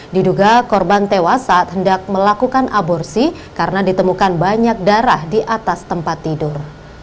diduga korban tewas saat hendak melakukan aborsi karena ditemukan banyak darah di atas tempat tidur